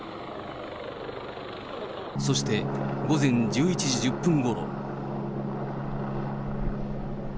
そして午前１１時１０分ごろ。